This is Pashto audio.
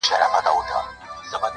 • مُلا دي لولي زه سلګۍ درته وهمه,